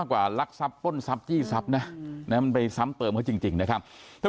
แต่ว่าคนละตึกนะคนละตึกก็เพิ่งรู้ข่าวเหมือนกันนะคะ